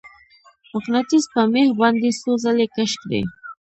مقناطیس په میخ باندې څو ځلې کش کړئ.